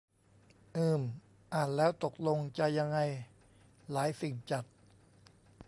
อืม อ่านแล้ว ตกลงจะยังไง หลายสิ่งจัด